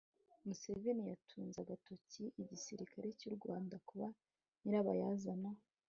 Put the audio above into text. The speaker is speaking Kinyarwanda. museveni yatunze agatoki igisirikare cy’u rwanda kuba nyirabayazana